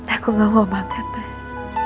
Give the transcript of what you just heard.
aku gak mau makan mas